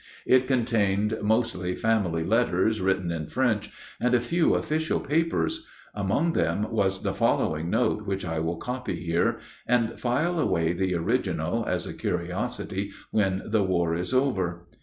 It contained mostly family letters written in French, and a few official papers. Among them was the following note, which I will copy here, and file away the original as a curiosity when the war is over.